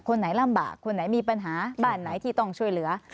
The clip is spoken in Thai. คนไหนลำบากคนไหนมีปัญหาบ้านไหนที่ต้องช่วยเหลือ